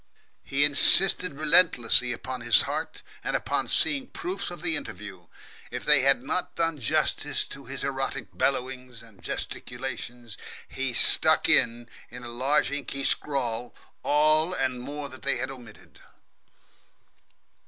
He insisted relentlessly upon his heart, and upon seeing proofs of the interview. If they had not done justice to his erotic bellowings and gesticulations, he stuck in, in a large inky scrawl, all and more than they had omitted.